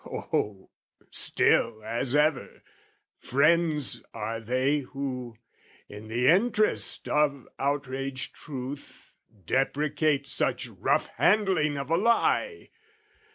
O, still as ever, friends are they Who, in the interest of outraged truth Deprecate such rough handling of a lie!